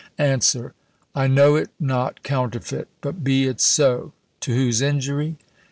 "Answer. I know it not counterfeit; but be it so, to whose injury?